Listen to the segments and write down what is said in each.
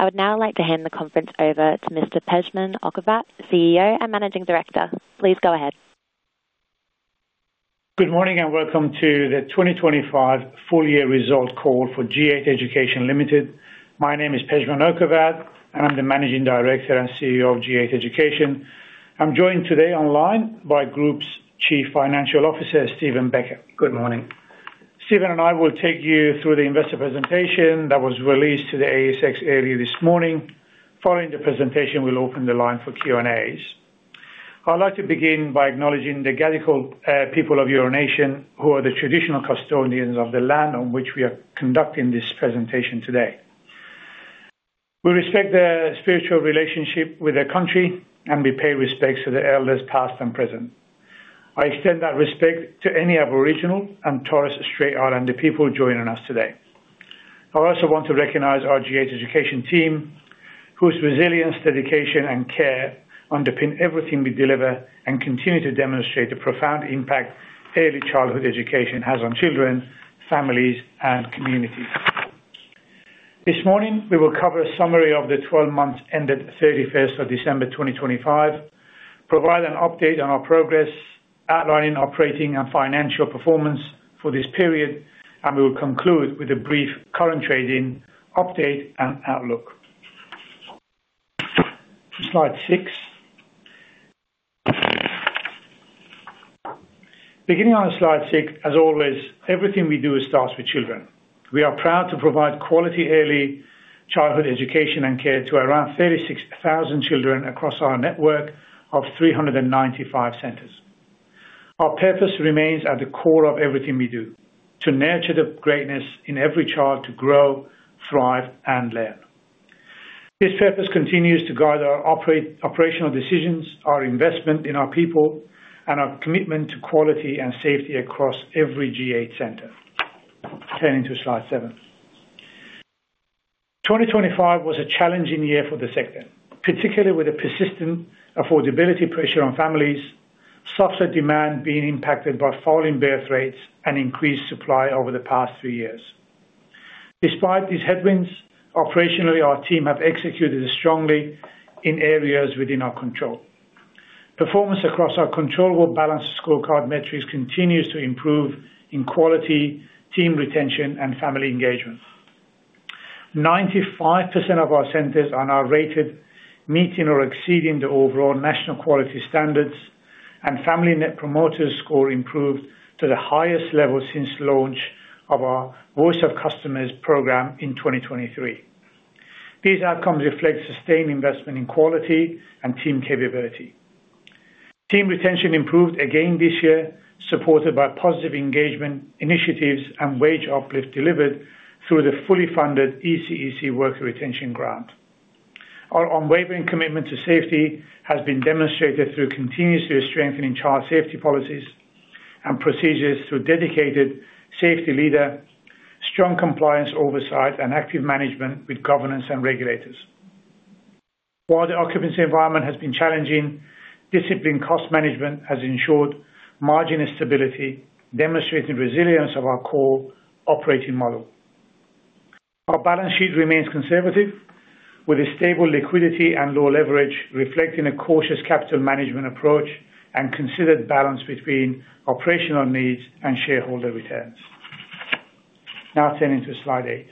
I would now like to hand the conference over to Mr. Pejman Okhovat, CEO and Managing Director. Please go ahead Good morning. Welcome to the 2025 full year results call for G8 Education Limited. My name is Pejman Okhovat. I'm the Managing Director and CEO of G8 Education. I'm joined today online by Group's Chief Financial Officer, Steven Becker. Good morning. Steven and I will take you through the investor presentation that was released to the ASX earlier this morning. Following the presentation, we'll open the line for Q&As. I'd like to begin by acknowledging the Gadigal people of Eora Nation, who are the traditional custodians of the land on which we are conducting this presentation today. We respect the spiritual relationship with their country. We pay respects to the elders, past and present. I extend that respect to any Aboriginal and Torres Strait Islander people joining us today. I also want to recognize our G8 Education team, whose resilience, dedication, and care underpin everything we deliver and continue to demonstrate the profound impact early childhood education has on children, families, and communities. This morning, we will cover a summary of the 12 months ended 31st of December, 2025, provide an update on our progress, outlining operating and financial performance for this period, and we will conclude with a brief current trading update and outlook. Slide 6. Beginning on slide 6, as always, everything we do starts with children. We are proud to provide quality early childhood education and care to around 36,000 children across our network of 395 centers. Our purpose remains at the core of everything we do, to nurture the greatness in every child to grow, thrive, and learn. This purpose continues to guide our operational decisions, our investment in our people, and our commitment to quality and safety across every G8 center. Turning to slide 7. 2025 was a challenging year for the sector, particularly with the persistent affordability pressure on families, softer demand being impacted by falling birth rates and increased supply over the past three years. Despite these headwinds, operationally, our team have executed strongly in areas within our control. Performance across our controllable balanced scorecard metrics continues to improve in quality, team retention, and family engagement. 95% of our centers are now rated, meeting or exceeding the overall National Quality Standard, and family Net Promoter Score improved to the highest level since launch of our Voice of Customers program in 2023. These outcomes reflect sustained investment in quality and team capability. Team retention improved again this year, supported by positive engagement initiatives and wage uplift delivered through the fully funded ECEC Worker Retention Grant. Our unwavering commitment to safety has been demonstrated through continuously strengthening child safety policies and procedures, through a dedicated safety leader, strong compliance oversight, and active management with governance and regulators. While the occupancy environment has been challenging, disciplined cost management has ensured margin and stability, demonstrating resilience of our core operating model. Our balance sheet remains conservative, with a stable liquidity and low leverage, reflecting a cautious capital management approach and considered balance between operational needs and shareholder returns. Now turning to slide 8.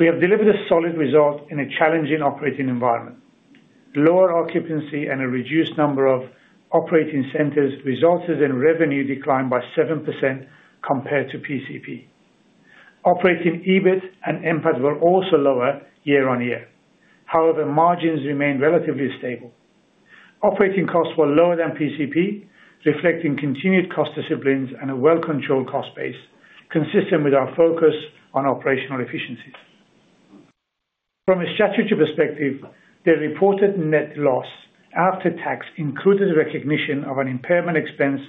We have delivered a solid result in a challenging operating environment. Lower occupancy and a reduced number of operating centers resulted in revenue decline by 7% compared to PCP. Operating EBIT and NPAT were also lower year-on-year. However, margins remained relatively stable. Operating costs were lower than PCP, reflecting continued cost disciplines and a well-controlled cost base, consistent with our focus on operational efficiencies. From a statutory perspective, the reported net loss after tax included recognition of an impairment expense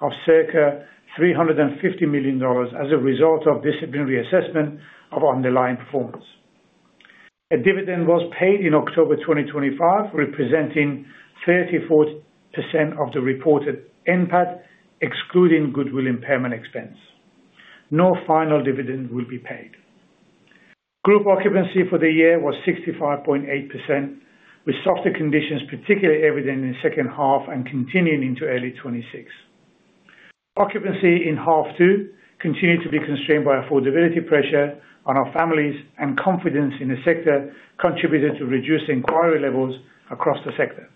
of circa 350 million dollars as a result of disciplinary assessment of underlying performance. A dividend was paid in October 2025, representing 34% of the reported NPAT, excluding goodwill impairment expense. No final dividend will be paid. Group occupancy for the year was 65.8%, with softer conditions, particularly evident in the second half and continuing into early 2026. Occupancy in Half 2 continued to be constrained by affordability, pressure on our families and confidence in the sector contributed to reduced inquiry levels across the sector.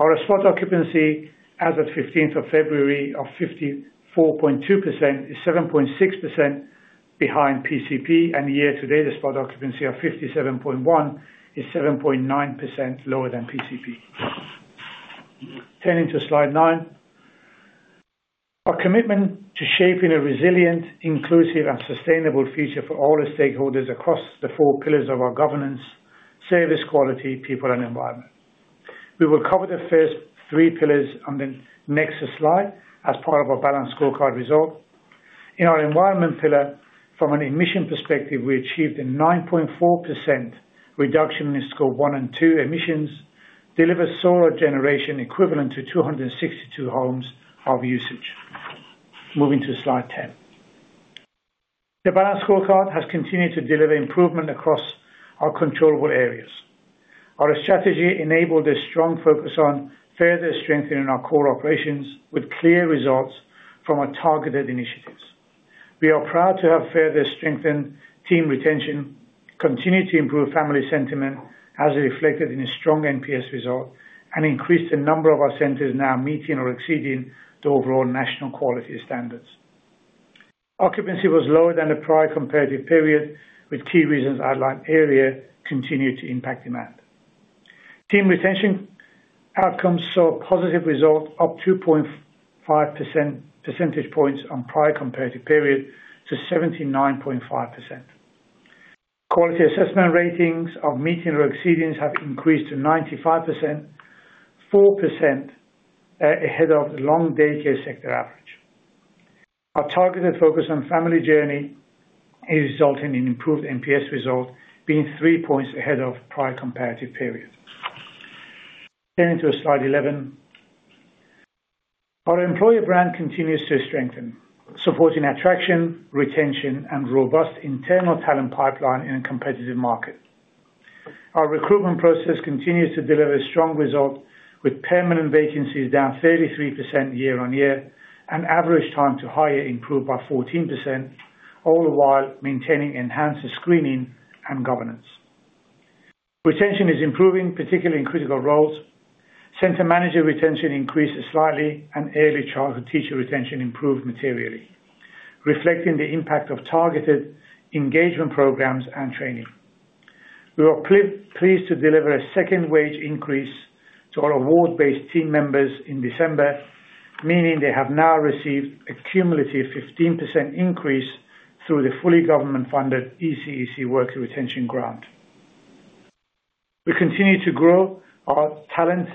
Our spot occupancy as of 15th of February of 54.2% is 7.6% behind PCP, and year to date, the spot occupancy of 57.1% is 7.9% lower than PCP. Turning to slide 9. Our commitment to shaping a resilient, inclusive, and sustainable future for all our stakeholders across the four pillars of our governance, service, quality, people, and environment. We will cover the first three pillars on the next Slide as part of our balanced scorecard result. In our environment pillar, from an emission perspective, we achieved a 9.4% reduction in Scope 1 and 2 emissions, delivered solar generation equivalent to 262 homes of usage. Moving to Slide 10. The balanced scorecard has continued to deliver improvement across our controllable areas. Our strategy enabled a strong focus on further strengthening our core operations with clear results from our targeted initiatives. We are proud to have further strengthened team retention, continued to improve family sentiment, as reflected in a strong NPS result, and increased the number of our centers now meeting or exceeding the overall National Quality Standard. Occupancy was lower than the prior comparative period, with key reasons outlined earlier continue to impact demand. Team retention outcomes saw a positive result, up 2.5 percentage points on prior comparative period to 79.5%. Quality assessment ratings of meeting or exceeding have increased to 95%, 4% ahead of the long day care sector average. Our targeted focus on family journey is resulting in improved NPS result, being 3 points ahead of prior comparative period. Turning to Slide 11. Our employer brand continues to strengthen, supporting attraction, retention, and robust internal talent pipeline in a competitive market. Our recruitment process continues to deliver strong results, with permanent vacancies down 33% year-on-year, and average time to hire improved by 14%, all the while maintaining enhanced screening and governance. Retention is improving, particularly in critical roles. Center manager retention increased slightly, and early childhood teacher retention improved materially, reflecting the impact of targeted engagement programs and training. We were pleased to deliver a second wage increase to our award-based team members in December, meaning they have now received a cumulative 15% increase through the fully government-funded ECEC Worker Retention Grant. We continue to grow our talent,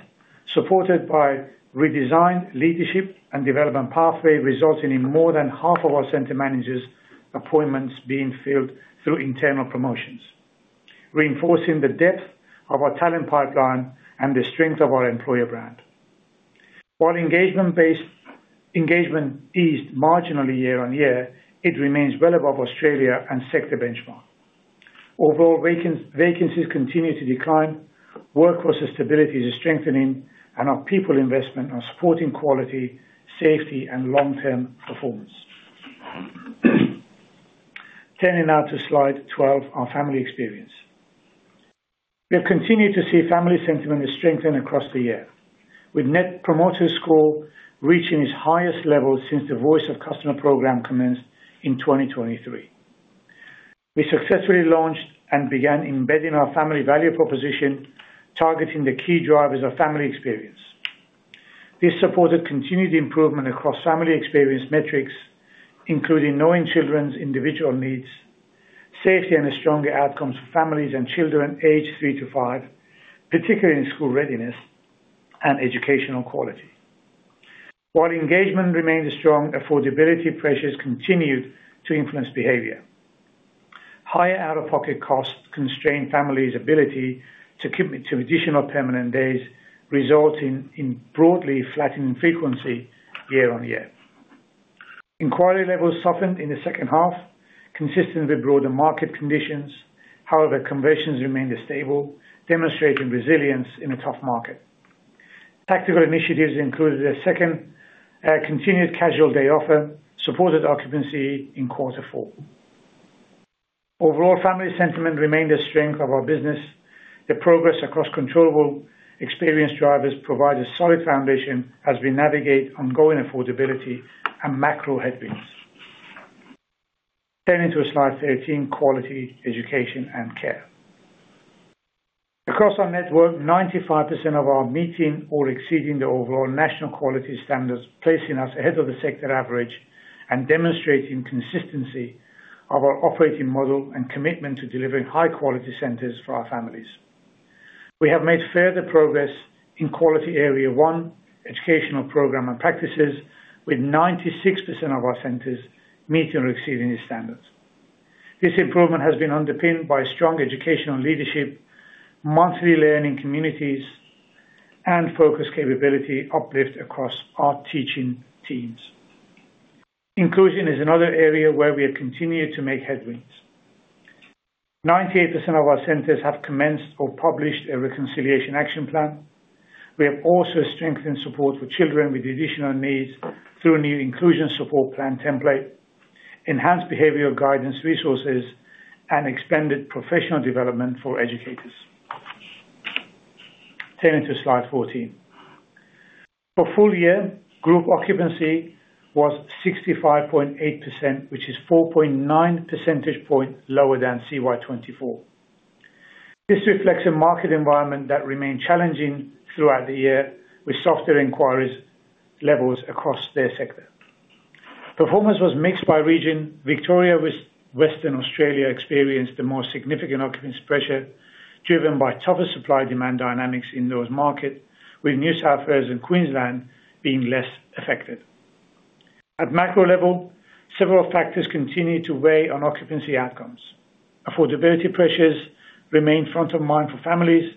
supported by redesigned leadership and development pathway, resulting in more than half of our center managers' appointments being filled through internal promotions, reinforcing the depth of our talent pipeline and the strength of our employer brand. While engagement-based engagement eased marginally year-on-year, it remains well above Australia and sector benchmark. Overall, vacancies continue to decline, workforce stability is strengthening, our people investment are supporting quality, safety, and long-term performance. Turning now to Slide 12, our family experience. We have continued to see family sentiment strengthen across the year, with Net Promoter Score reaching its highest level since the Voice of Customer program commenced in 2023. We successfully launched began embedding our family value proposition, targeting the key drivers of family experience. This supported continued improvement across family experience metrics, including knowing children's individual needs, safety and stronger outcomes for families and children aged 3 to 5, particularly in school readiness and educational quality. While engagement remains strong, affordability pressures continued to influence behavior. Higher out-of-pocket costs constrained families' ability to commit to additional permanent days, resulting in broadly flattening frequency year-on-year. Inquiry levels softened in the second half, consistent with broader market conditions. However, conversions remained stable, demonstrating resilience in a tough market. Tactical initiatives included a second, continued casual day offer, supported occupancy in quarter four. Overall, family sentiment remained a strength of our business. The progress across controllable experience drivers provides a solid foundation as we navigate ongoing affordability and macro headwinds. Turning to Slide 13, quality, education, and care. Across our network, 95% of our meeting or exceeding the overall National Quality Standard, placing us ahead of the sector average and demonstrating consistency of our operating model and commitment to delivering high-quality centers for our families. We have made further progress in Quality Area 1, Educational Program and Practices, with 96% of our centers meeting or exceeding the standards. This improvement has been underpinned by strong educational leadership, monthly learning communities, and focused capability uplift across our teaching teams. Inclusion is another area where we have continued to make headwinds. 98% of our centers have commenced or published a Reconciliation Action Plan. We have also strengthened support for children with additional needs through a new Inclusion Support Plan template, enhanced behavioral guidance resources, and expanded professional development for educators. Turning to slide 14. For full year, group occupancy was 65.8%, which is 4.9 percentage point lower than CY 2024. This reflects a market environment that remained challenging throughout the year, with softer inquiries levels across their sector. Performance was mixed by region. Victoria, with Western Australia, experienced a more significant occupancy pressure, driven by tougher supply-demand dynamics in those market, with New South Wales and Queensland being less affected. At macro level, several factors continued to weigh on occupancy outcomes. Affordability pressures remained front of mind for families.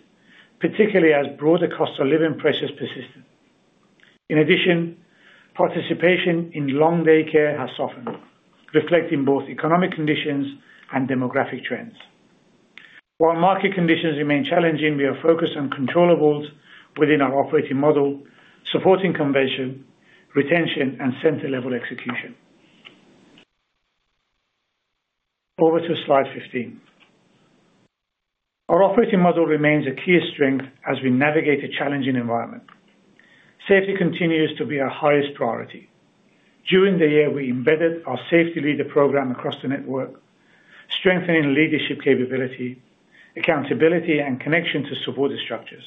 particularly as broader cost of living pressures persisted. In addition, participation in long day care has softened, reflecting both economic conditions and demographic trends. While market conditions remain challenging, we are focused on controllables within our operating model, supporting conversion, retention, and center-level execution. Over to slide 15. Our operating model remains a key strength as we navigate a challenging environment. Safety continues to be our highest priority. During the year, we embedded our safety leader program across the network, strengthening leadership capability, accountability, and connection to supportive structures.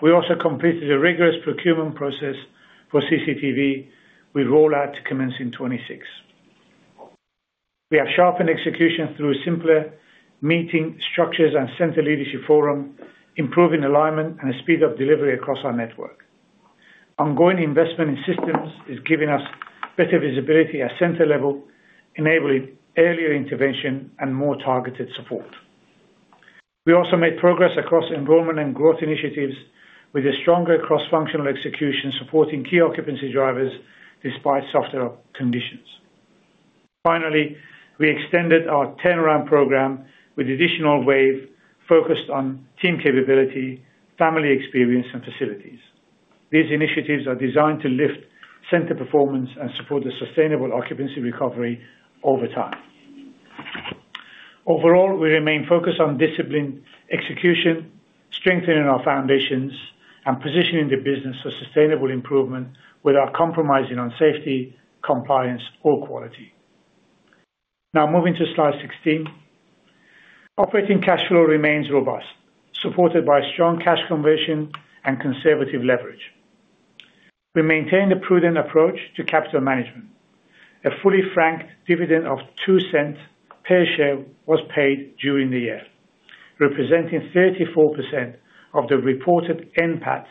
We also completed a rigorous procurement process for CCTV, with rollout to commence in 2026. We have sharpened execution through simpler meeting structures and center leadership forum, improving alignment and speed of delivery across our network. Ongoing investment in systems is giving us better visibility at center level, enabling earlier intervention and more targeted support. We also made progress across enrollment and growth initiatives with a stronger cross-functional execution, supporting key occupancy drivers despite softer conditions. Finally, we extended our turnaround program with additional wave focused on team capability, family experience, and facilities. These initiatives are designed to lift center performance and support a sustainable occupancy recovery over time. Overall, we remain focused on disciplined execution, strengthening our foundations, and positioning the business for sustainable improvement without compromising on safety, compliance, or quality. Now, moving to slide 16. Operating cash flow remains robust, supported by strong cash conversion and conservative leverage. We maintained a prudent approach to capital management. A fully franked dividend of 0.02 per share was paid during the year, representing 34% of the reported NPAT,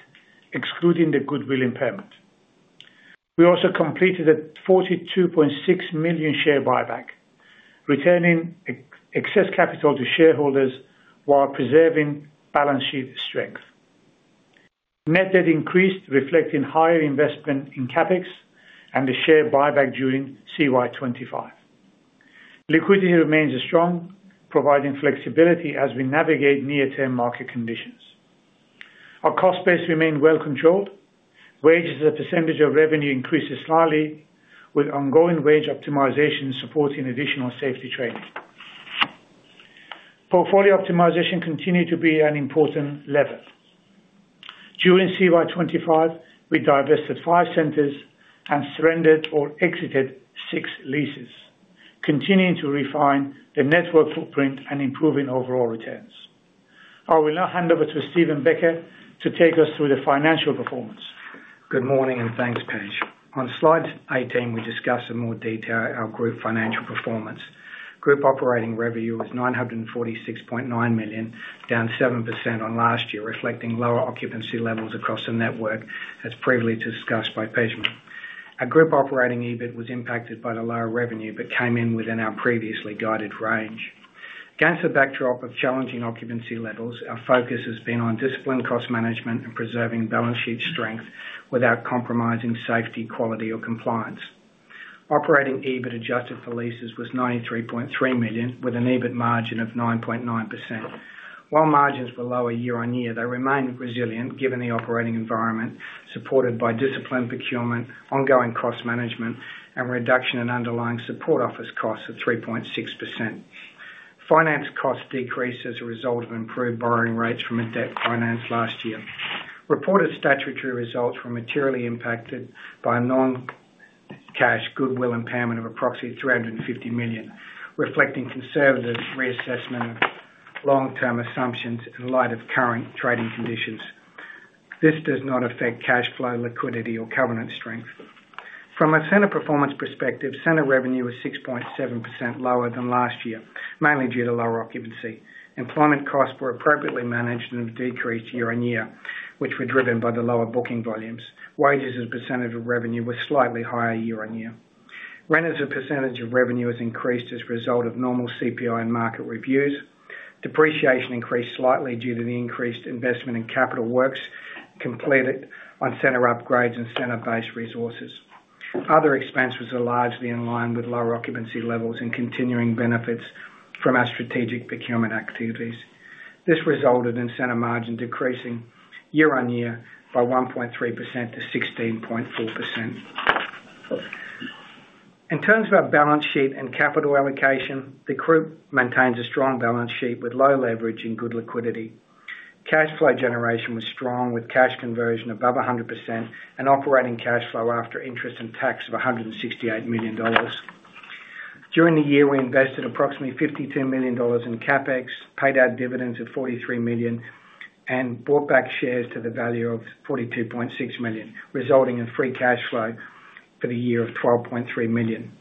excluding the goodwill impairment. We also completed a 42.6 million share buyback, returning ex-excess capital to shareholders while preserving balance sheet strength. Net debt increased, reflecting higher investment in CapEx and the share buyback during CY 2025. Liquidity remains strong, providing flexibility as we navigate near-term market conditions. Our cost base remained well controlled. Wages as a percentage of revenue increased slightly, with ongoing wage optimization supporting additional safety training. Portfolio optimization continued to be an important lever. During CY 2025, we divested 5 centers and surrendered or exited 6 leases, continuing to refine the network footprint and improving overall returns. I will now hand over to Steven Becker to take us through the financial performance. Good morning, thanks, Pej. On slide 18, we discuss in more detail our group financial performance. Group operating revenue was 946.9 million, down 7% on last year, reflecting lower occupancy levels across the network, as previously discussed by Pejman. Our group operating EBIT was impacted by the lower revenue, came in within our previously guided range. Against a backdrop of challenging occupancy levels, our focus has been on disciplined cost management and preserving balance sheet strength without compromising safety, quality, or compliance. Operating EBIT adjusted for leases was 93.3 million, with an EBIT margin of 9.9%. While margins were lower year-on-year, they remained resilient given the operating environment, supported by disciplined procurement, ongoing cost management, and reduction in underlying support office costs of 3.6%. Finance costs decreased as a result of improved borrowing rates from a debt financed last year. Reported statutory results were materially impacted by a non-cash goodwill impairment of approximately 350 million, reflecting conservative reassessment of long-term assumptions in light of current trading conditions. This does not affect cash flow, liquidity, or covenant strength. From a center performance perspective, center revenue was 6.7% lower than last year, mainly due to lower occupancy. Employment costs were appropriately managed and decreased year-on-year, which were driven by the lower booking volumes. Wages as a % of revenue were slightly higher year-on-year. Rent as a % of revenue has increased as a result of normal CPI and market reviews. Depreciation increased slightly due to the increased investment in capital works completed on center upgrades and center-based resources. Other expenses are largely in line with lower occupancy levels and continuing benefits from our strategic procurement activities. This resulted in center margin decreasing year-on-year by 1.3% to 16.4%. In terms of our balance sheet and capital allocation, the group maintains a strong balance sheet with low leverage and good liquidity. Cash flow generation was strong, with cash conversion above 100% and operating cash flow after interest in tax of 168 million dollars. During the year, we invested approximately 52 million dollars in CapEx, paid out dividends of 43 million, and bought back shares to the value of 42.6 million, resulting in free cash flow for the year of 12.3 million.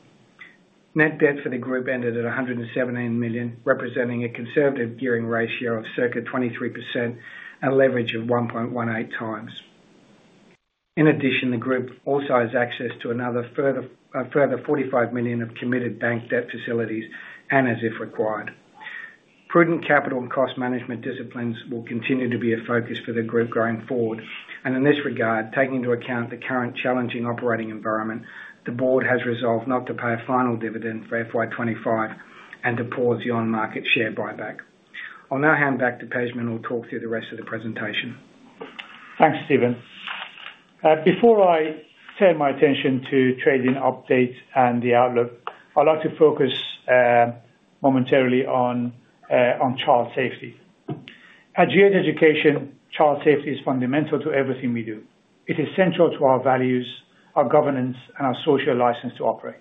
Net debt for the group ended at 117 million, representing a conservative gearing ratio of circa 23% and a leverage of 1.18 times. In addition, the group also has access to another further, further 45 million of committed bank debt facilities and as if required. Prudent capital and cost management disciplines will continue to be a focus for the group going forward. In this regard, taking into account the current challenging operating environment, the board has resolved not to pay a final dividend for FY25 and to pause the on-market share buyback. I'll now hand back to Pejman, who will talk through the rest of the presentation. Thanks, Steven. Before I turn my attention to trading update and the outlook, I'd like to focus momentarily on child safety. At G8 Education, child safety is fundamental to everything we do. It is central to our values, our governance, and our social license to operate.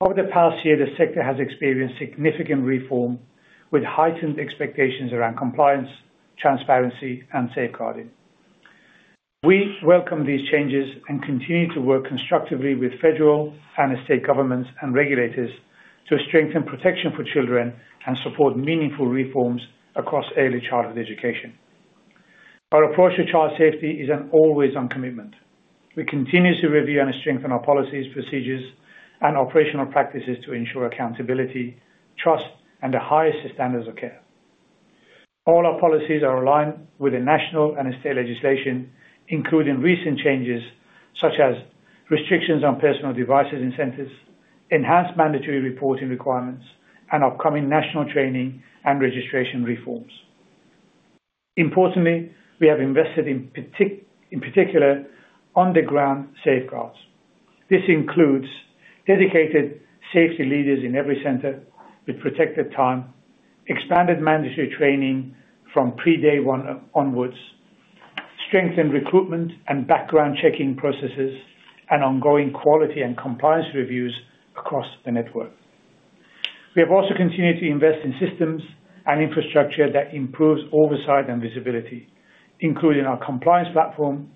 Over the past year, the sector has experienced significant reform with heightened expectations around compliance, transparency, and safeguarding. We welcome these changes and continue to work constructively with federal and state governments and regulators to strengthen protection for children and support meaningful reforms across early childhood education. Our approach to child safety is an always on commitment. We continuously review and strengthen our policies, procedures, and operational practices to ensure accountability, trust, and the highest standards of care. All our policies are aligned with the national and state legislation, including recent changes such as restrictions on personal devices in centers, enhanced mandatory reporting requirements, and upcoming national training and registration reforms. Importantly, we have invested in particular, on-the-ground safeguards. This includes dedicated safety leaders in every center with protected time, expanded mandatory training from pre-day one onwards, strengthened recruitment and background checking processes, and ongoing quality and compliance reviews across the network. We have also continued to invest in systems and infrastructure that improves oversight and visibility, including our compliance platform,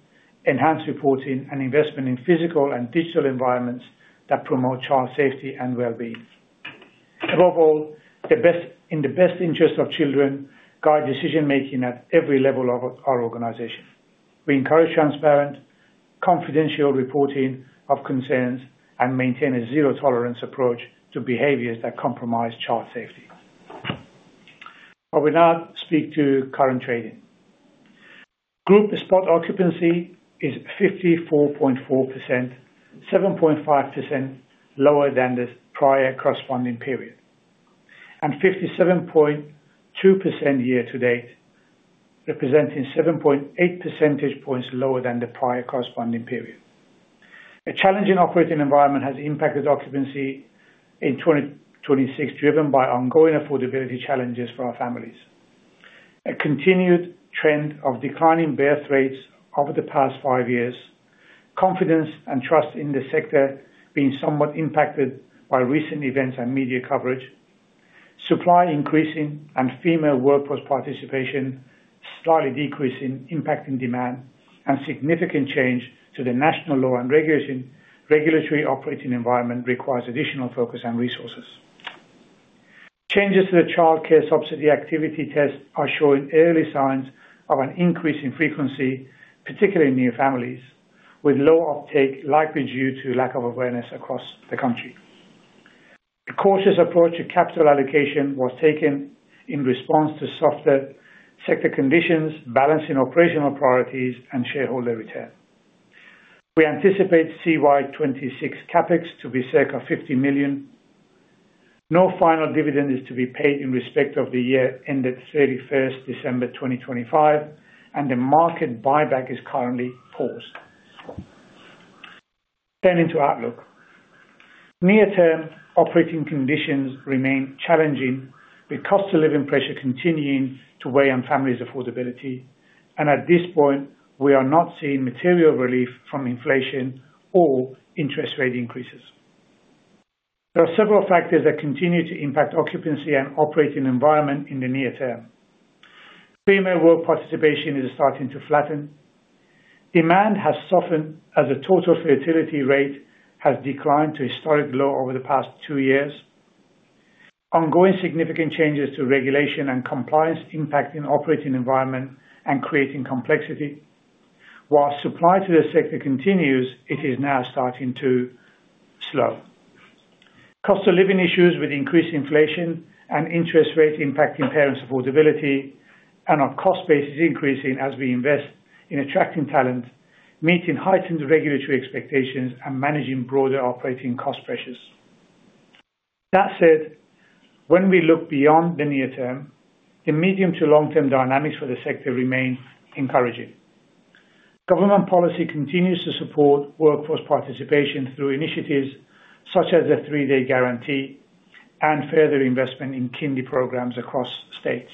enhanced reporting, and investment in physical and digital environments that promote child safety and wellbeing. Above all, in the best interest of children, guide decision-making at every level of our organization. We encourage transparent, confidential reporting of concerns and maintain a zero-tolerance approach to behaviors that compromise child safety. I will now speak to current trading. Group spot occupancy is 54.4%, 7.5% lower than the prior corresponding period, and 57.2% year to date, representing 7.8 percentage points lower than the prior corresponding period. A challenging operating environment has impacted occupancy in 2026, driven by ongoing affordability challenges for our families. A continued trend of declining birth rates over the past five years, confidence and trust in the sector being somewhat impacted by recent events and media coverage, supply increasing and female workforce participation slightly decreasing, impacting demand, and significant change to the National Law and regulation—regulatory operating environment requires additional focus and resources. Changes to the Child Care Subsidy activity test are showing early signs of an increase in frequency, particularly in new families, with low uptake likely due to lack of awareness across the country. A cautious approach to capital allocation was taken in response to softer sector conditions, balancing operational priorities, and shareholder return. We anticipate CY 2026 CapEx to be circa 50 million. No final dividend is to be paid in respect of the year ended 31st December 2025, and the market buyback is currently paused. Turning to outlook. Near-term operating conditions remain challenging, with cost of living pressure continuing to weigh on families' affordability, and at this point, we are not seeing material relief from inflation or interest rate increases. There are several factors that continue to impact occupancy and operating environment in the near term. Female work participation is starting to flatten. Demand has softened as the total fertility rate has declined to historic low over the past two years. Ongoing significant changes to regulation and compliance impacting operating environment and creating complexity. While supply to the sector continues, it is now starting to slow. Cost of living issues with increased inflation and interest rates impacting parents' affordability and our cost base is increasing as we invest in attracting talent, meeting heightened regulatory expectations, and managing broader operating cost pressures. That said, when we look beyond the near term, the medium to long-term dynamics for the sector remain encouraging. Government policy continues to support workforce participation through initiatives such as the 3 Day Guarantee and further investment in kindy programs across states.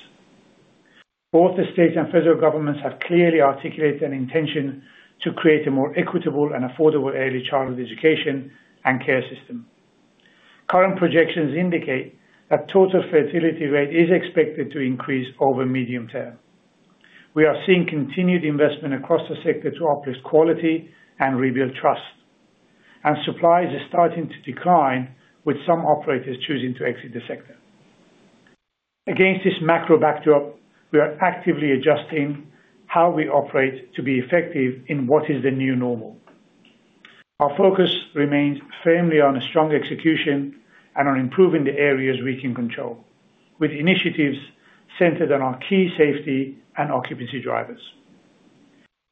Both the state and federal governments have clearly articulated an intention to create a more equitable and affordable early childhood education and care system. Current projections indicate that total fertility rate is expected to increase over medium term. We are seeing continued investment across the sector to uplift quality and rebuild trust, supplies are starting to decline, with some operators choosing to exit the sector. Against this macro backdrop, we are actively adjusting how we operate to be effective in what is the new normal. Our focus remains firmly on a strong execution and on improving the areas we can control, with initiatives centered on our key safety and occupancy drivers.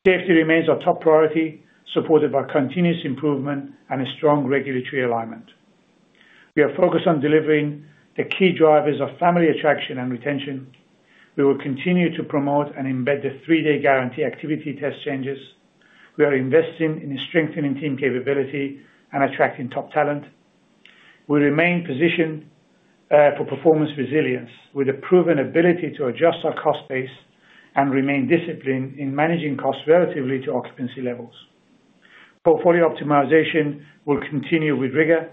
Safety remains our top priority, supported by continuous improvement and a strong regulatory alignment. We are focused on delivering the key drivers of family attraction and retention. We will continue to promote and embed the 3 Day Guarantee activity test changes. We are investing in strengthening team capability and attracting top talent. We remain positioned for performance resilience, with a proven ability to adjust our cost base and remain disciplined in managing costs relatively to occupancy levels. Portfolio optimization will continue with rigor,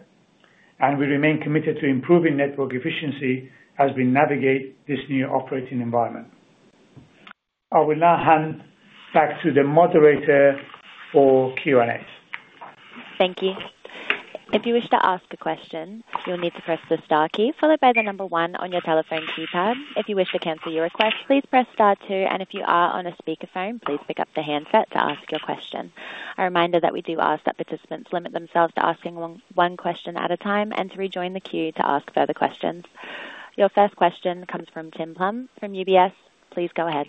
and we remain committed to improving network efficiency as we navigate this new operating environment. I will now hand back to the moderator for Q&A. Thank you. If you wish to ask a question, you'll need to press the star key followed by one on your telephone keypad. If you wish to cancel your request, please press star two. If you are on a speakerphone, please pick up the handset to ask your question. A reminder that we do ask that participants limit themselves to asking one question at a time and to rejoin the queue to ask further questions. Your first question comes from Tim Plumbe from UBS. Please go ahead.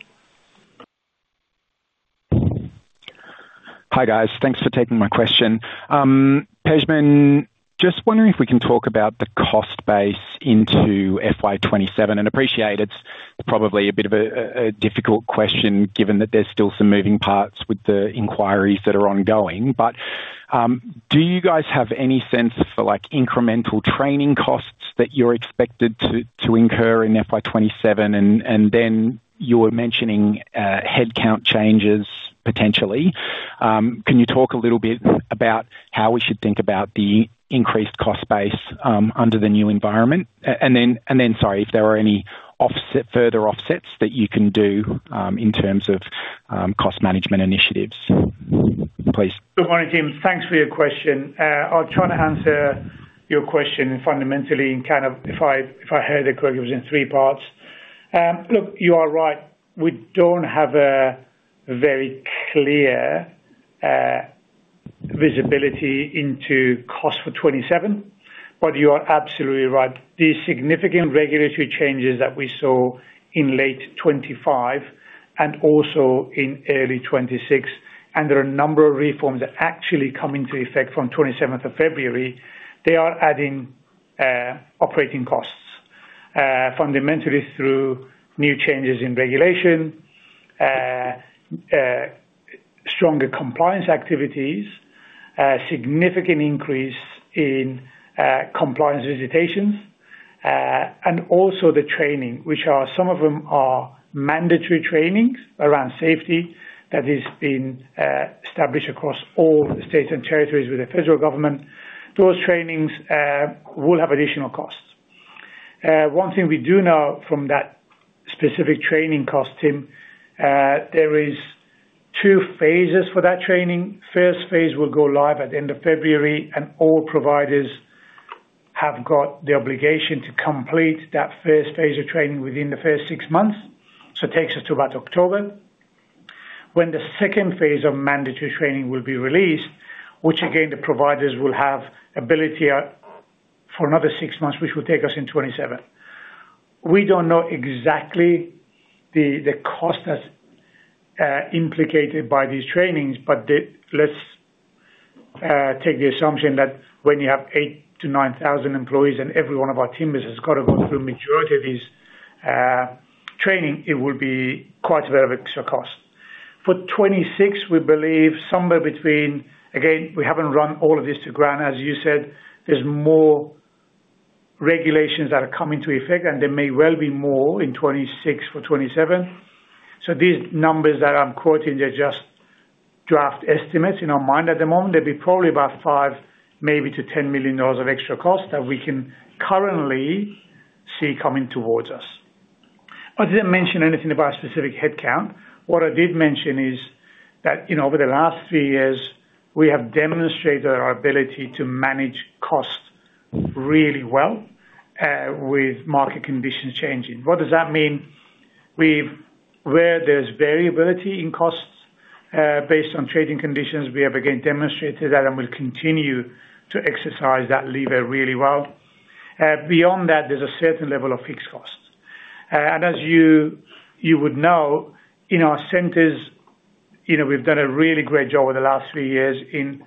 Hi, guys. Thanks for taking my question. Pejman, just wondering if we can talk about the cost base into FY 2027 and appreciate it's probably a bit of a difficult question, given that there's still some moving parts with the inquiries that are ongoing. Do you guys have any sense for, like, incremental training costs that you're expected to incur in FY 2027? Then you were mentioning headcount changes potentially. Can you talk a little bit about how we should think about the increased cost base under the new environment? And then, sorry, if there are any offset, further offsets that you can do in terms of cost management initiatives, please. Good morning, Tim. Thanks for your question. I'll try to answer your question fundamentally and kind of if I, if I heard it correctly, it was in three parts. Look, you are right. We don't have a very clear visibility into cost for 2027, but you are absolutely right. The significant regulatory changes that we saw in late 2025 and also in early 2026. There are a number of reforms that actually come into effect from 27th of February. They are adding operating costs fundamentally through new changes in regulation, stronger compliance activities, significant increase in compliance visitations, and also the training, which are some of them are mandatory trainings around safety that has been established across all the states and territories with the federal government. Those trainings will have additional costs. One thing we do know from that specific training cost, Tim, there is two phases for that training. First phase will go live at the end of February, and all providers have got the obligation to complete that first phase of training within the first six months. It takes us to about October, when the second phase of mandatory training will be released, which again, the providers will have ability for another six months, which will take us in 2027. We don't know exactly the cost that's implicated by these trainings, but let's take the assumption that when you have 8,000-9,000 employees and every one of our team members has got to go through majority of this training, it will be quite a bit of extra cost. For 2026, we believe somewhere between... We haven't run all of this to ground. As you said, there's more regulations that are coming to effect, and there may well be more in 2026 or 2027. These numbers that I'm quoting are just draft estimates in our mind at the moment. They'd be probably about 5 million-10 million dollars of extra cost that we can currently see coming towards us. I didn't mention anything about specific headcount. What I did mention is that, you know, over the last three years, we have demonstrated our ability to manage costs really well, with market conditions changing. What does that mean? Where there's variability in costs, based on trading conditions, we have again demonstrated that and will continue to exercise that lever really well. Beyond that, there's a certain level of fixed costs. As you, you would know, in our centers, you know, we've done a really great job over the last three years in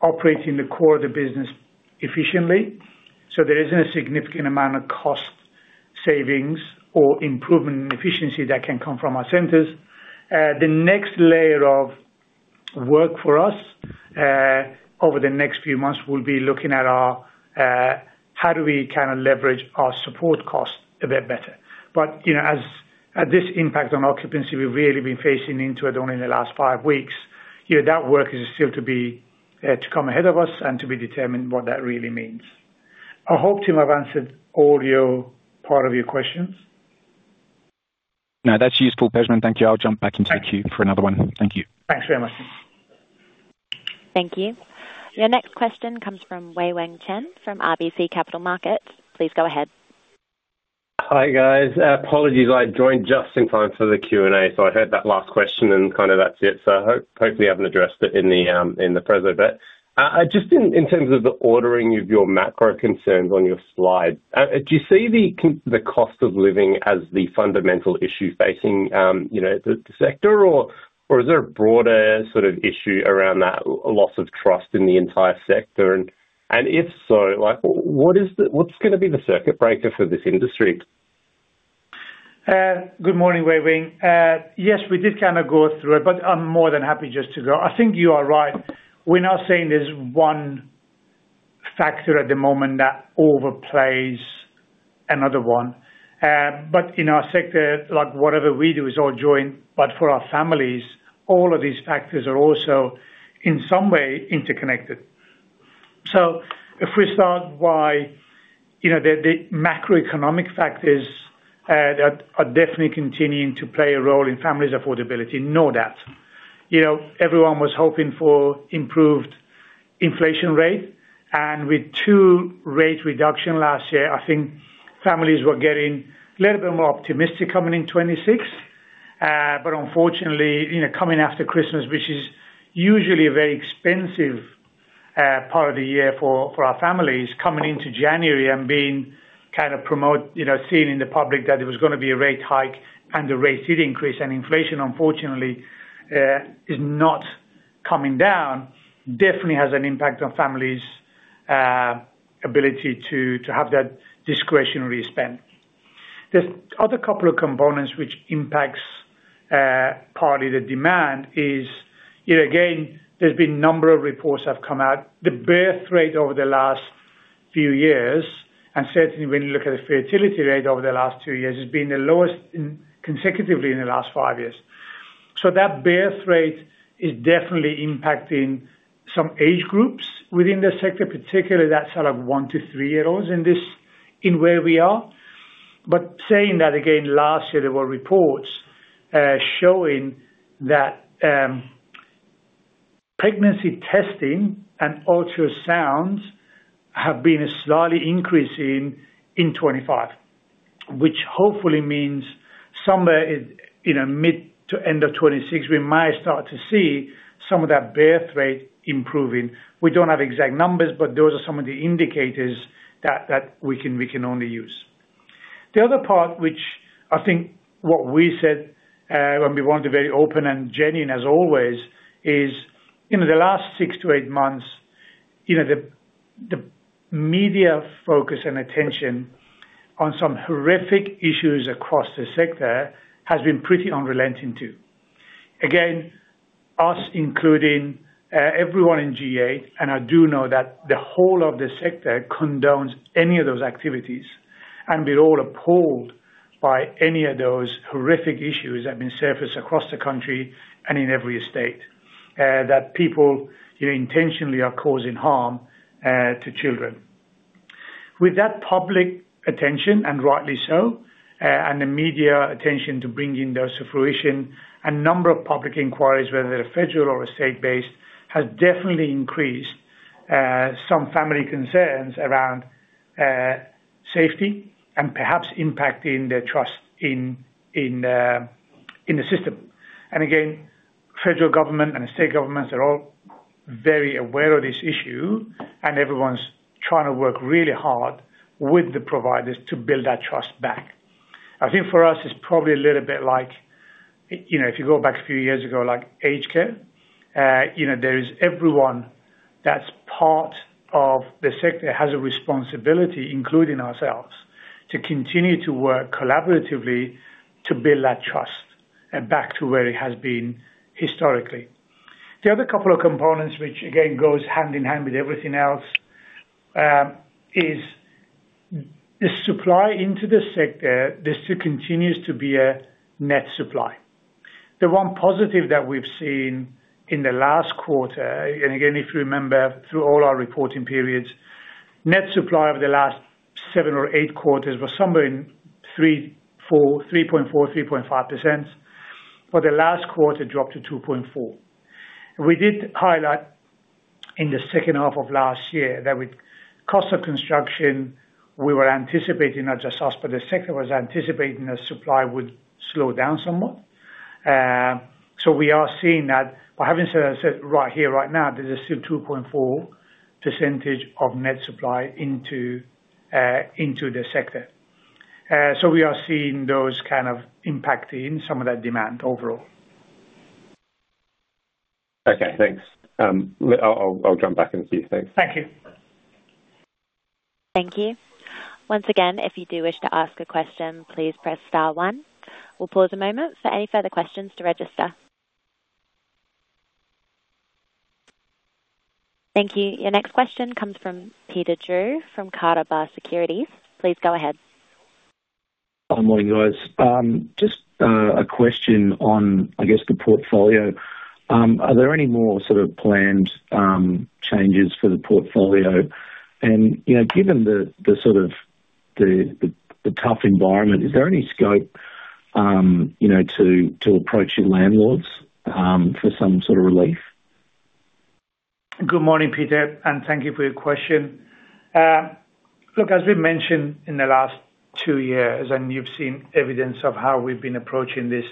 operating the core of the business efficiently. There isn't a significant amount of cost savings or improvement in efficiency that can come from our centers. The next layer of work for us, over the next few months, we'll be looking at our, how do we kind of leverage our support costs a bit better? You know, as, as this impact on occupancy, we've really been facing into it only in the last five weeks. You know, that work is still to be, to come ahead of us and to be determined what that really means. I hope, Tim, I've answered all your part of your questions. No, that's useful, Pejman. Thank you. I'll jump back into the queue for another one. Thank you. Thanks very much. Thank you. Your next question comes from Wei-Weng Chen from RBC Capital Markets. Please go ahead. Hi, guys. Apologies, I joined just in time for the Q&A, so I heard that last question and kind of that's it. Hopefully I haven't addressed it in the Prezi, but just in terms of the ordering of your macro concerns on your slide, do you see the cost of living as the fundamental issue facing, you know, the sector, or is there a broader sort of issue around that loss of trust in the entire sector? If so, like, what's gonna be the circuit breaker for this industry? Good morning, Wei Wang. Yes, we did kind of go through it, but I'm more than happy just to go. I think you are right. We're not saying there's one factor at the moment that overplays another one. In our sector, like, whatever we do, is all joined, but for our families, all of these factors are also, in some way, interconnected. If we start by, you know, the, the macroeconomic factors, that are definitely continuing to play a role in families' affordability, no doubt. You know, everyone was hoping for improved inflation rate, and with 2 rate reduction last year, I think families were getting a little bit more optimistic coming in 2026. Unfortunately, you know, coming after Christmas, which is usually a very expensive part of the year for, for our families, coming into January and being kind of promote, you know, seeing in the public that there was gonna be a rate hike, and the rate did increase, and inflation, unfortunately, is not coming down, definitely has an impact on families' ability to, to have that discretionary spend. There's other couple of components which impacts partly the demand is, you know, again, there's been a number of reports have come out. The birth rate over the last few years, and certainly when you look at the fertility rate over the last two years, has been the lowest consecutively in the last five years. That birth rate is definitely impacting some age groups within the sector, particularly that sort of one to three-year-olds in this, in where we are. Saying that again, last year, there were reports showing that pregnancy testing and ultrasounds have been slightly increasing in 2025, which hopefully means somewhere in, in a mid to end of 2026, we might start to see some of that birth rate improving. We don't have exact numbers, but those are some of the indicators that, that we can, we can only use. The other part, which I think what we said, when we want to be very open and genuine, as always, is in the last six to eight months, you know, the, the media focus and attention on some horrific issues across the sector has been pretty unrelenting, too. Again, us including everyone in G8, and I do know that the whole of the sector condones any of those activities, and we're all appalled by any of those horrific issues that have been surfaced across the country and in every state. That people, you know, intentionally are causing harm to children. With that public attention, and rightly so, and the media attention to bringing those to fruition, a number of public inquiries, whether they're federal or state-based, has definitely increased some family concerns around safety and perhaps impacting their trust in, in, in the system. Again, federal government and the state governments are all very aware of this issue, and everyone's trying to work really hard with the providers to build that trust back. I think for us, it's probably a little bit like, you know, if you go back a few years ago, like aged care. You know, there is everyone that's part of the sector has a responsibility, including ourselves, to continue to work collaboratively to build that trust back to where it has been historically. The other couple of components, which again goes hand in hand with everything else, is the supply into the sector, this still continues to be a net supply. The one positive that we've seen in the last quarter, and again, if you remember through all our reporting periods, net supply over the last 7 or 8 quarters was somewhere in 3.4%-3.5%. For the last quarter, dropped to 2.4%. We did highlight in the second half of last year that with cost of construction, we were anticipating, not just us, but the sector was anticipating that supply would slow down somewhat. We are seeing that. Having said that, right here, right now, there's still 2.4% of net supply into the sector. We are seeing those kind of impacting some of that demand overall. Okay, thanks. I'll jump back in with you. Thanks. Thank you. Thank you. Once again, if you do wish to ask a question, please press star one. We'll pause a moment for any further questions to register. Thank you. Your next question comes from Peter Drew from Carter Bar Securities. Please go ahead. Good morning, guys. Just a question on, I guess, the portfolio. Are there any more sort of planned changes for the portfolio? You know, given the, the sort of the, the, the tough environment, is there any scope, you know, to, to approach your landlords, for some sort of relief? Good morning, Peter, and thank you for your question. Look, as we've mentioned in the last two years, and you've seen evidence of how we've been approaching this,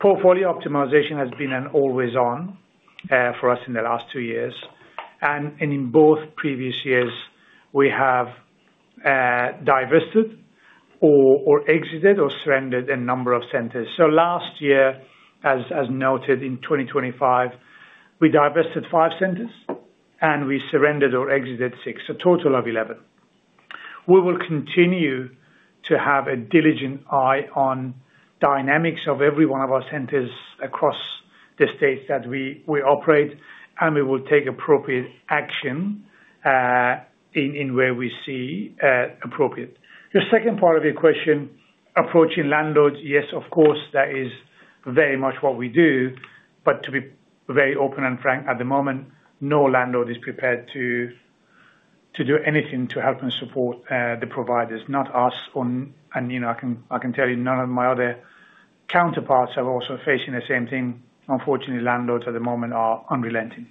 portfolio optimization has been an always on for us in the last two years. In both previous years, we have divested or exited or surrendered a number of centers. Last year, as noted in 2025, we divested five centers and we surrendered or exited six, a total of 11. We will continue to have a diligent eye on dynamics of every one of our centers across the states that we operate, and we will take appropriate action in where we see appropriate. The second part of your question, approaching landlords, yes, of course, that is very much what we do, but to be very open and frank, at the moment, no landlord is prepared to do anything to help and support the providers, not us on... You know, I can tell you, none of my other counterparts are also facing the same thing. Unfortunately, landlords at the moment are unrelenting.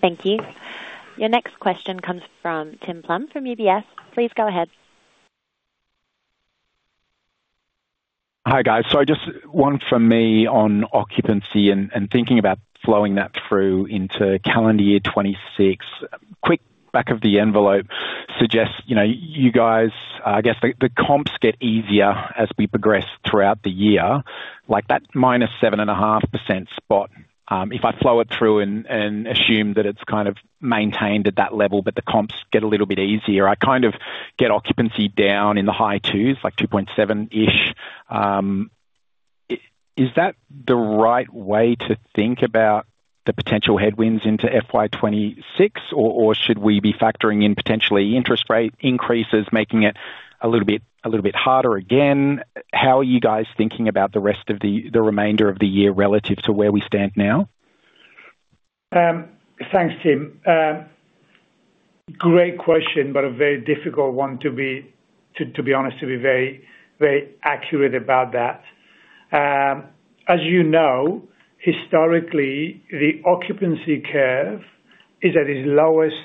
Thanks, Pejman. Thank you. Your next question comes from Tim Plumbe from UBS. Please go ahead. Hi, guys. just one from me on occupancy and thinking about flowing that through into CY 2026. Quick back of the envelope suggests, you know, you guys, I guess the, the comps get easier as we progress throughout the year, like that minus 7.5% spot. If I flow it through and assume that it's kind of maintained at that level, but the comps get a little bit easier, I kind of get occupancy down in the high twos, like 2.7-ish. Is that the right way to think about the potential headwinds into FY 2026, or should we be factoring in potentially interest rate increases, making it a little bit, a little bit harder again? How are you guys thinking about the remainder of the year relative to where we stand now? Thanks, Tim. Great question, but a very difficult one to be, to, to be honest, to be very, very accurate about that. As you know, historically, the occupancy curve is at its lowest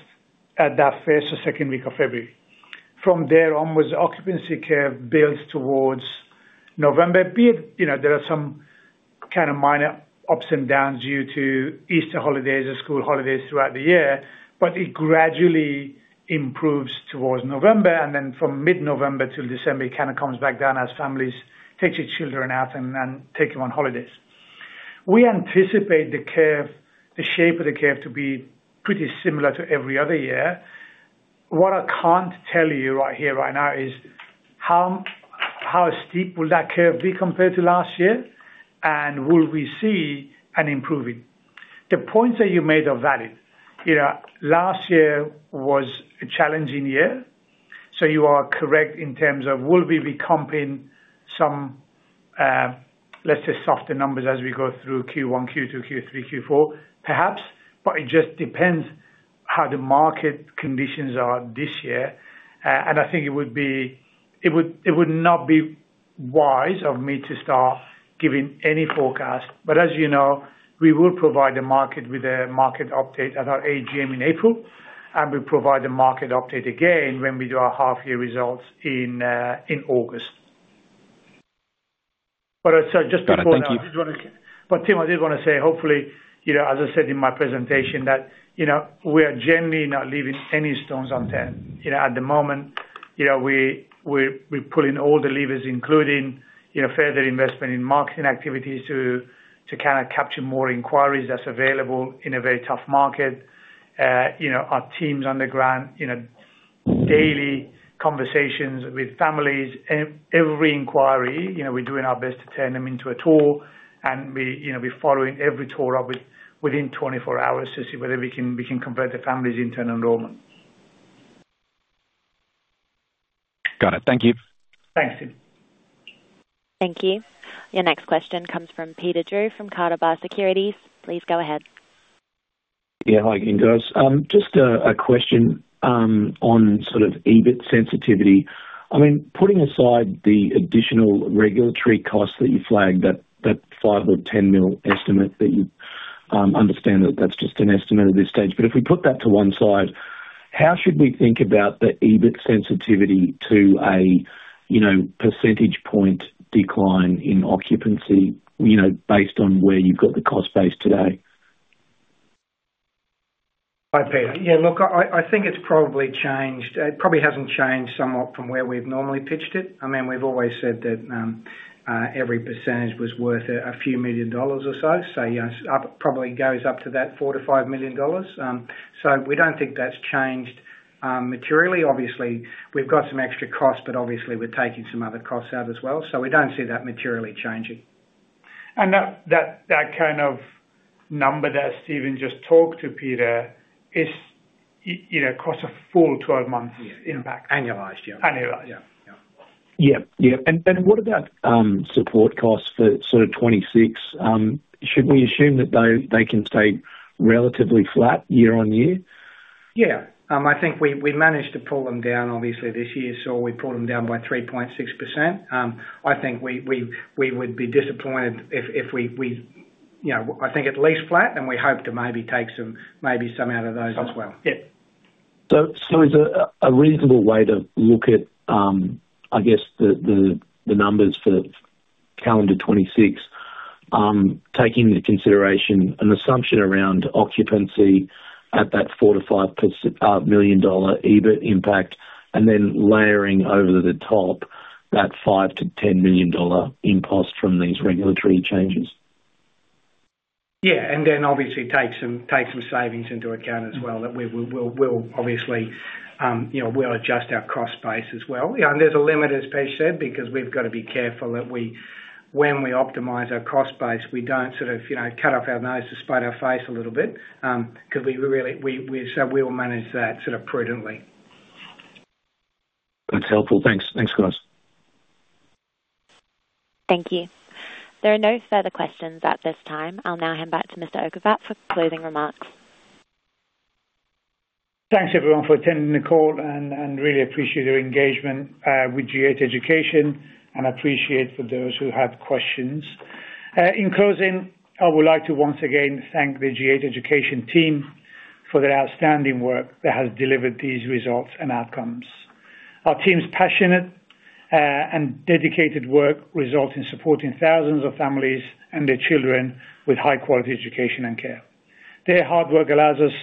at that first or second week of February. From there onwards, the occupancy curve builds towards November, be it, you know, there are some kind of minor ups and downs due to Easter holidays or school holidays throughout the year, but it gradually improves towards November, and then from mid-November till December, it kind of comes back down as families take their children out and, and take them on holidays. We anticipate the curve, the shape of the curve to be pretty similar to every other year. What I can't tell you right here, right now is how, how steep will that curve be compared to last year, and will we see an improving? The points that you made are valid. You know, last year was a challenging year, so you are correct in terms of will we be comping some, let's say, softer numbers as we go through Q1, Q2, Q3, Q4? Perhaps, but it just depends how the market conditions are this year. I think it would not be wise of me to start giving any forecast. As you know, we will provide the market with a market update at our AGM in April, and we'll provide the market update again when we do our half-year results in August. Just to follow up. Thank you. I just wanna Tim, I did wanna say hopefully, you know, as I said in my presentation, that, you know, we are generally not leaving any stones unturned. You know, at the moment, you know, we, we're, we're pulling all the levers, including, you know, further investment in marketing activities to, to kinda capture more inquiries that's available in a very tough market. You know, our teams on the ground, you know, daily conversations with families. Every inquiry, you know, we're doing our best to turn them into a tour, and we, you know, we're following every tour up within 24 hours to see whether we can, we can convert the families into an enrollment. Got it. Thank you. Thanks, Tim. Thank you. Your next question comes from Peter Drew, from Carter Bar Securities. Please go ahead. Yeah. Hi, guys. Just a question on sort of EBIT sensitivity. I mean, putting aside the additional regulatory costs that you flagged, that, that 5 million or 10 million estimate that you understand that that's just an estimate at this stage. If we put that to one side, how should we think about the EBIT sensitivity to a, you know, percentage point decline in occupancy, you know, based on where you've got the cost base today? Hi, Peter. Yeah, look, I think it's probably changed. It probably hasn't changed somewhat from where we've normally pitched it. I mean, we've always said that every % was worth a few million dollars or so. Yes, probably goes up to that 4 million-5 million dollars. We don't think that's changed materially. Obviously, we've got some extra costs, but obviously, we're taking some other costs out as well. We don't see that materially changing. That kind of number that Steven just talked to, Peter, is, you know, across a full 12 months impact. Annualized, yeah. Annualized. Yeah. Yeah. Yep, yep. What about support costs for sort of 2026? Should we assume that they, they can stay relatively flat year-on-year? Yeah. I think we, we managed to pull them down obviously this year. We pulled them down by 3.6%. I think we, we, we would be disappointed if, if we, we, you know, I think at least flat. We hope to maybe take some, maybe some out of those as well. Yep. So is a reasonable way to look at, I guess the numbers for CY 2026, taking into consideration an assumption around occupancy at that 4 million-5 million dollar EBIT impact, and then layering over the top that 5 million-10 million dollar impost from these regulatory changes? Then obviously take some, take some savings into account as well, that we will, will, will obviously, you know, we'll adjust our cost base as well. There's a limit, as Pete said, because we've got to be careful that when we optimize our cost base, we don't sort of, you know, cut off our nose to spite our face a little bit, because we really will manage that sort of prudently. That's helpful. Thanks. Thanks, guys. Thank you. There are no further questions at this time. I'll now hand back to Mr. Okhovat for closing remarks. Thanks everyone for attending the call and, and really appreciate your engagement with G8 Education, and appreciate for those who had questions. In closing, I would like to once again thank the G8 Education team for their outstanding work that has delivered these results and outcomes. Our team's passionate and dedicated work results in supporting thousands of families and their children with high-quality education and care. Their hard work allows us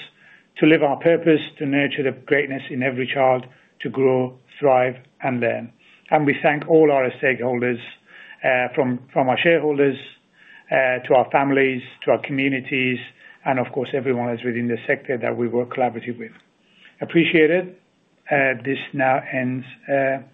to live our purpose, to nurture the greatness in every child, to grow, thrive, and learn. We thank all our stakeholders from, from our shareholders to our families, to our communities, and of course, everyone else within the sector that we work collaboratively with. Appreciate it. This now ends.